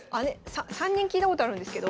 ３人聞いたことあるんですけど。